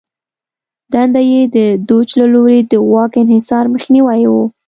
دنده یې د دوج له لوري د واک انحصار مخنیوی و